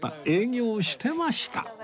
営業してました